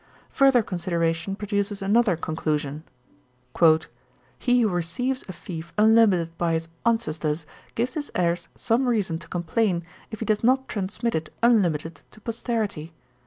'Further consideration produces another conclusion: "He who receives a fief unlimited by his ancestors, gives his heirs some reason to complain, if he does not transmit it unlimited to posterity.